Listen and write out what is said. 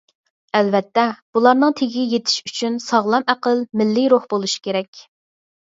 ئەلۋەتتە، بۇلارنىڭ تېگىگە يېتىش ئۈچۈن ساغلام ئەقىل، مىللىي روھ بولۇش كېرەك.